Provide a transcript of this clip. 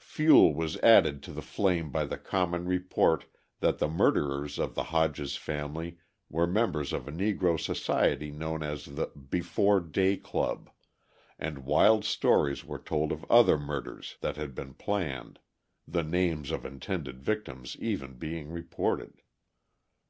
Fuel was added to the flame by the common report that the murderers of the Hodges family were members of a Negro society known as the "Before Day Club," and wild stories were told of other murders that had been planned, the names of intended victims even being reported.